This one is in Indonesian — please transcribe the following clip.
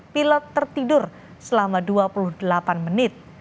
pilot tertidur selama dua puluh delapan menit